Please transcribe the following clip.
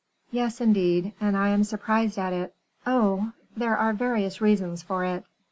"Yes, indeed, and I am surprised at it." "Oh! there are various reasons for it.